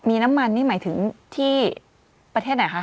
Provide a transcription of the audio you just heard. มีน้ำมันนี่หมายถึงที่ประเทศไหนคะ